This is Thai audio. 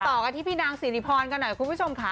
ต่อกันที่พี่นางสิริพรกันหน่อยคุณผู้ชมค่ะ